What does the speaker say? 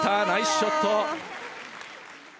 ナイスショット！